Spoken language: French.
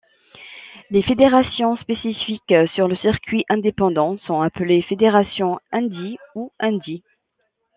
Les fédérations spécifiques sur le circuit indépendant sont appelées fédérations indy ou indies.